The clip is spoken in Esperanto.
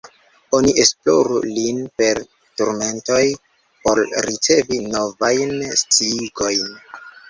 Oni esploru lin per turmentoj, por ricevi novajn sciigojn.